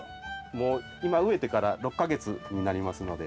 もう今植えてから６か月になりますので。